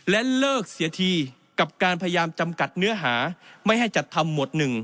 และเลิกเสียทีกับการพยายามจำกัดเนื้อหาไม่ให้จัดทำหมวด๑